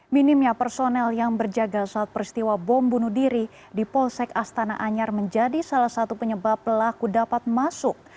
minimnya personel yang berjaga saat peristiwa bom bunuh diri di polsek astana anyar menjadi salah satu penyebab pelaku dapat masuk